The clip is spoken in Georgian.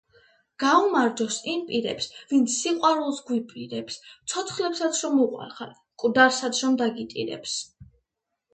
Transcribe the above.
გაუმარჯოს იმ პირებს, ვინც სიყვარულს გვიპირებს, ცოცხლებსაც რომ უყვარხარ, მკვდარსაც რომ დაგიტირებს.